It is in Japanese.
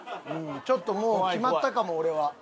ちょっともう決まったかも俺は。